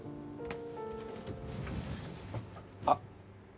あっ。